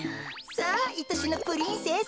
さあいとしのプリンセス。